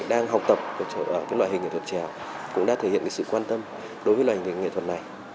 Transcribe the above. đang học tập ở cái loại hình nghệ thuật trẻ cũng đã thể hiện cái sự quan tâm đối với loại hình nghệ thuật này